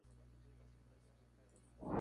Capital: Sligo.